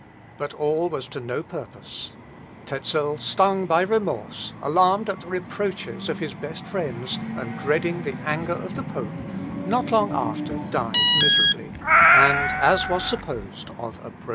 But all was to no purpose. Tezel, stung by remorse, alarmed at the reproaches of his best friends, and dreading the anger of the pope, not long after died miserably, and as was supposed of a broken heart.